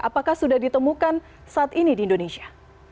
apakah sudah ditemukan saat ini di indonesia